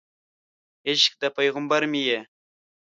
عشق د پیغمبر مې یې